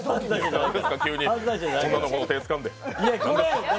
なんですか、急に女の子の手をつかんで。